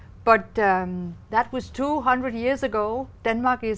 chúng tôi có cái gì chúng tôi gọi là thịt rai